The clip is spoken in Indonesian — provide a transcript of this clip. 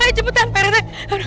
ayo cepetan pak rete